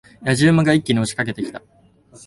野次馬が一気に押し掛けてきた。